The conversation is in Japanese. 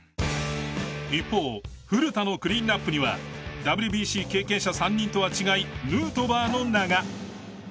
一方古田のクリーンアップにはＷＢＣ経験者３人とは違いヌートバーの名が。